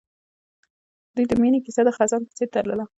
د دوی د مینې کیسه د خزان په څېر تلله.